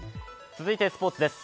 続いてスポーツです。